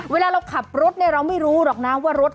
เวลาเราขับรถเนี่ยเราไม่รู้หรอกนะว่ารถ